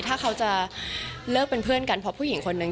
ถ้าเขาจะเลิกเป็นเพื่อนกันเพราะผู้หญิงคนนึง